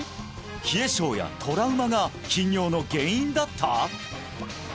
冷え性やトラウマが頻尿の原因だった！？